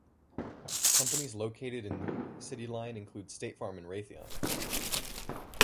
Companies located in CityLine include State Farm and Raytheon.